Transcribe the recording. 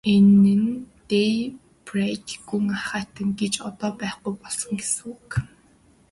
Энэ нь де Пейрак гүн ахайтан гэж одоо байхгүй болсон гэсэн үг.